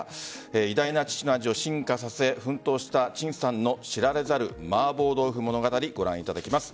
偉大な父の味を進化させ奮闘した陳さんの知られざる麻婆豆腐物語、ご覧いただきます。